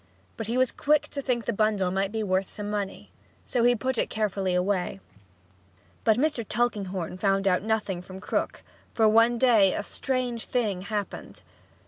But he was quick to think the bundle might be worth some money. So he put it carefully away. But Mr. Tulkinghorn found out nothing from Krook, for one day a strange thing happened.